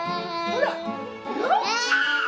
ほら！